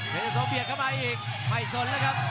เมจ้โสเพียงเข้ามาอีกไม่สนเลยครับ